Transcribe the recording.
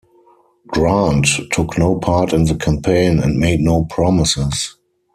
Grant took no part in the campaign and made no promises.